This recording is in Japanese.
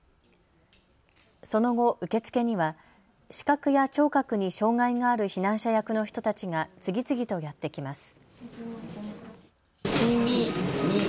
その後、受付には視覚や聴覚に障害がある避難者役の人たちが次々とやって来ます。